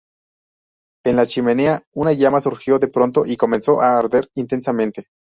En la chimenea, una llama surgió de pronto y comenzó a arder intensamente.